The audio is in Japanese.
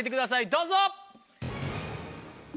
どうぞ。